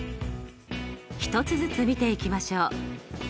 一つずつ見ていきましょう。